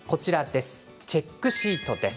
チェックシートです。